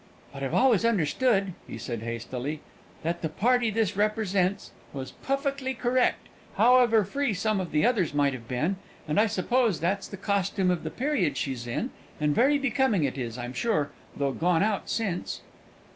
"But I've always understood," he said, hastily, "that the party this represents was puffickly correct, however free some of the others might have been; and I suppose that's the costume of the period she's in, and very becoming it is, I'm sure, though gone out since."